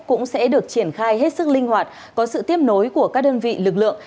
cũng sẽ được triển khai hết sức linh hoạt có sự tiếp nối của các đơn vị lực lượng